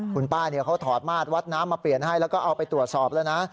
คุณป้าเขาถอดมาดวัดน้ำมาเปลี่ยนให้แล้วก็เอาไปตรวจสอบแล้วนะ